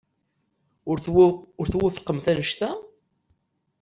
Ur twufqemt anect-a?